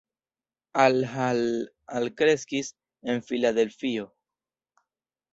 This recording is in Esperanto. Al Hall alkreskis en Filadelfio.